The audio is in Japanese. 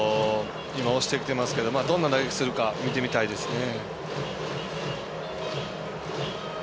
今、押してきてますがどんな打撃するか見てみたいですね。